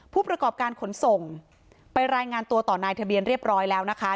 ผู้ประกอบการขนส่งไปรายงานตัวต่อนายทะเบียนเรียบร้อยแล้วนะคะ